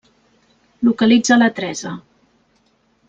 Localitza la Teresa.